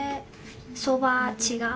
そば違う。